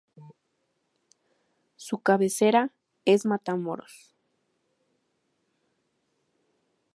Su cabecera es Matamoros.